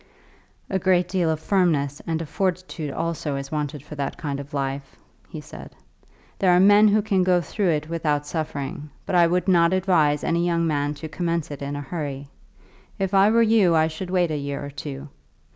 "A great deal of firmness and of fortitude also is wanted for that kind of life," he said. "There are men who can go through it without suffering, but I would not advise any young man to commence it in a hurry. If I were you I should wait a year or two.